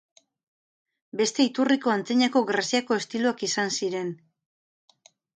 Beste iturri Antzinako Greziako estiloak izan ziren.